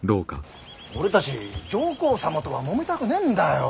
俺たち上皇様とはもめたくねえんだよ。